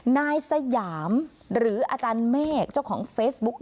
นายสยามหรืออาจารย์เมฆเจ้าของเฟซบุ๊ก